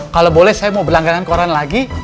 kalau boleh saya mau berlangganan koran lagi